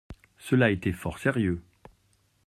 Cela était fort sérieux.